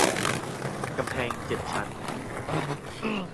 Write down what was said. กำแพงเจ็ดชั้น